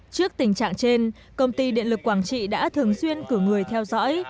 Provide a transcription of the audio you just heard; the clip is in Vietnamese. trước tình trạng trên công ty điện lực quảng trị đã thường xuyên cử người theo dõi